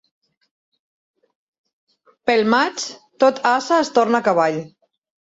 Pel maig tot ase es torna cavall.